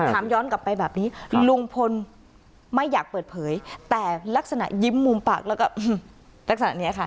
ถามย้อนกลับไปแบบนี้ลุงพลไม่อยากเปิดเผยแต่ลักษณะยิ้มมุมปากแล้วก็ลักษณะนี้ค่ะ